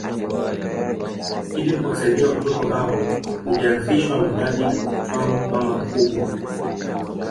Ili kuwasaidia watoto hao ulianzishwa mradi uitwao Mama Mkubwa